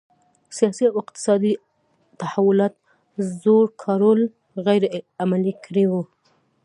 سیاسي او اقتصادي تحولات زور کارول غیر عملي کړي وو.